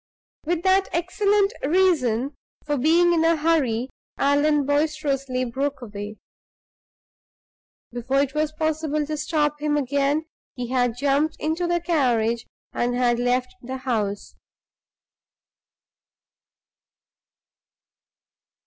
With that excellent reason for being in a hurry, Allan boisterously broke away. Before it was possible to stop him again, he had jumped into the carriage and had left the house.